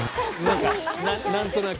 何となく。